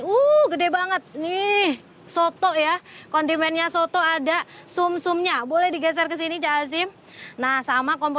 uh gede banget nih soto ya kondimennya soto ada sum sumnya boleh digeser ke sini cak hazim nah sama